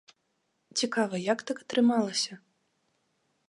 Цікава, як так атрымалася?